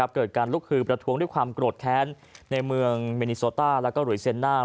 เกิดการลุกคือประท้วงด้วยความกรดแค้นในเมืองมินิโซตาและหรือเซนนาม